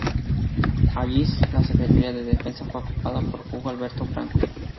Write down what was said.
Allí, la secretaría de Defensa fue ocupada por Hugo Alberto Franco.